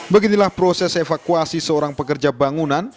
beginilah proses evakuasi seorang pekerja bangunan